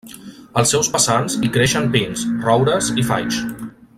Als seus vessants hi creixen pins, roures i faigs.